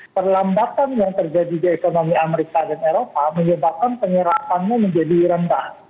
perlambatan yang terjadi di ekonomi amerika dan eropa menyebabkan penyerapannya menjadi rendah